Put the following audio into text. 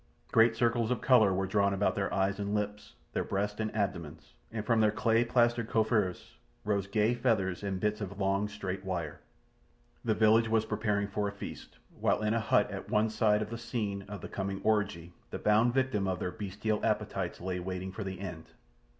Great circles of colour were drawn about their eyes and lips, their breasts and abdomens, and from their clay plastered coiffures rose gay feathers and bits of long, straight wire. The village was preparing for the feast, while in a hut at one side of the scene of the coming orgy the bound victim of their bestial appetites lay waiting for the end.